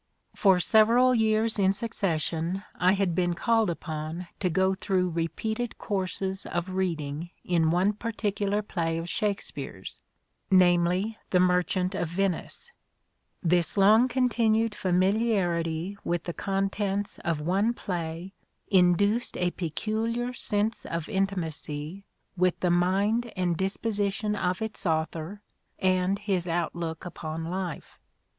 For several years in succession I had been called upon to go through repeated courses of reading in one particular play of Shakespeare's, namely " The Merchant of Venice." This long continued familiarity with the contents of one play induced a peculiar sense of intimacy with the mind and disposition of its author and his outlook upon life.